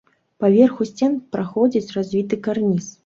Па верху сцен праходзіць развіты карніз.